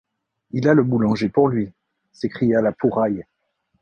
Il a le boulanger pour lui! s’écria La Pouraille.